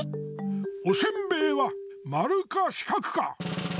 おせんべいはまるかしかくか。